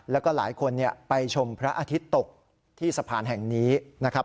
แล้วก็หลายคนไปชมพระอาทิตย์ตกที่สะพานแห่งนี้นะครับ